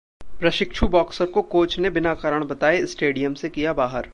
प्रशिक्षु बॉक्सर को कोच ने बिना कारण बताए स्टेडियम से किया बाहर